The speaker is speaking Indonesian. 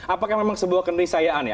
apakah memang sebuah kenisayaan ya